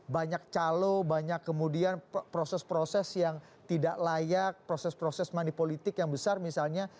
banyak calo banyak kemudian proses proses yang tidak layak proses proses manipolitik yang besar misalnya